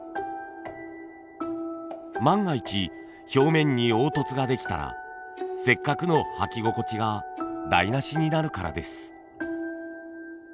万が一表面に凹凸ができたらせっかくの履き心地が台なしになるからです。